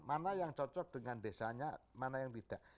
mana yang cocok dengan desanya mana yang tidak